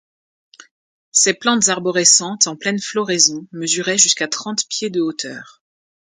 Ces plantes arborescentes, en pleine floraison, mesuraient jusqu’à trente pieds de hauteur.